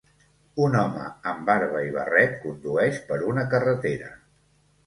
Un home amb barba i barret condueix per una carretera.